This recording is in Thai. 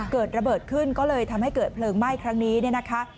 เกิดระเบิดขึ้นก็เลยทำให้เกิดเพลิงไหม้ครั้งนี้เนี่ยนะคะ